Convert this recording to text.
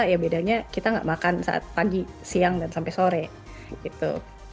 ya bedanya kita nggak makan saat pagi siang dan sampai sore gitu